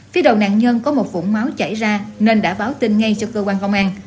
phía đầu nạn nhân có một phủng máu chảy ra nên đã báo tin ngay cho cơ quan công an